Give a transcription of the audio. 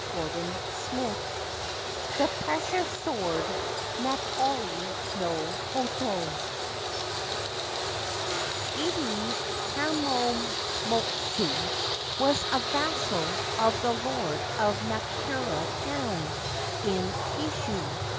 33° LIII THE PRECIOUS SWORD 'NATORI NO HOTO' IDE KAMMOTSU was a vassal of the Lord of Nakura town, in Kishu.